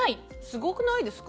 すごくないですか？